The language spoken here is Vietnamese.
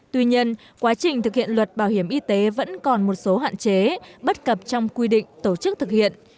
tuy nhiên quá trình thực hiện luật bảo hiểm y tế vẫn còn một số hạn chế bất cập trong quy định tổ chức thực hiện